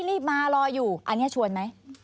รีบมารออยู่อันนี้ชวนไหม